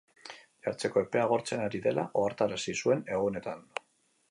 Jartzeko epea agortzen ari dela ohartarazi zuen egunetan.